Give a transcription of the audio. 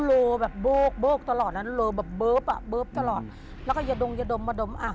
โลแบบโบ๊กตลอดนั้นโลแบบเบิ๊บตลอดแล้วก็อย่าดมอย่าดม